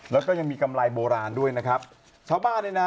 แล้วก็ยังมีกำไรโบราณด้วยนะครับชาวบ้านเนี่ยนะ